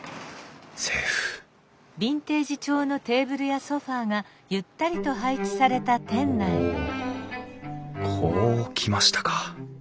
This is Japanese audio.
セーフおこう来ましたか。